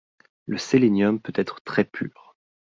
Le sélénium peut être très pur.